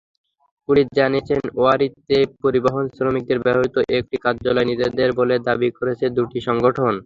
Police জানিয়েছে, ওয়ারীতে পরিবহনশ্রমিকদের ব্যবহৃত একটি কার্যালয় নিজেদের বলে দাবি করছে দুটি সংগঠন।